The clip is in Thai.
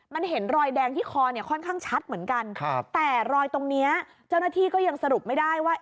มันเห็นรอยแดงที่คอเนี่ยค่อนข้างชัดเหมือนกันแต่รอยตรงเนี้ยเจ้าหน้าที่ก็ยังสรุปไม่ได้ว่า